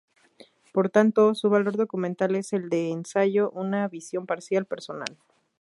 Por tanto, su valor documental es el de "ensayo": una visión parcial, personal.